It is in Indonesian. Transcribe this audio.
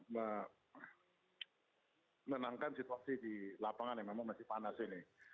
menenangkan situasi di lapangan yang memang masih panas ini